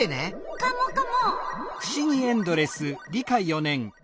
カモカモ。